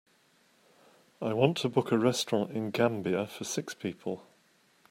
I want to book a restaurant in Gambia for six people.